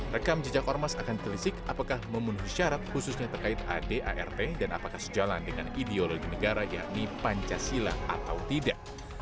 rekam jejak ormas akan ditelisik apakah memenuhi syarat khususnya terkait adart dan apakah sejalan dengan ideologi negara yakni pancasila atau tidak